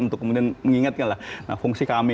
untuk kemudian mengingatkan lah fungsi kami